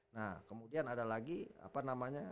nah kemudian ada lagi apa namanya